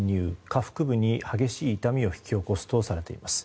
下腹部に激しい痛みを引き起こすとされています。